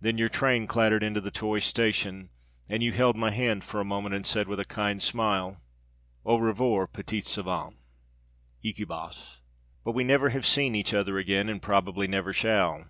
Then your train clattered into the toy station, and you held my hand for a moment and said with a kind smile, 'Au revoir, petite savante, icibas.' But we never have seen each other again and probably never shall.